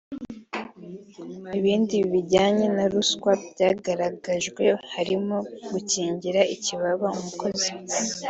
Ibindi bijyanye na ruswa byagaragajwe harimo gukingira ikibaba umukozi